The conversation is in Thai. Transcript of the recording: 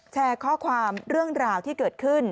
แชร์ข้อความเรื่องราวที่เกิดขึ้น